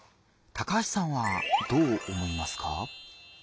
高橋さんはどう思いますか？